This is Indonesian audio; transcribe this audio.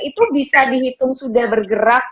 itu bisa dihitung sudah bergerak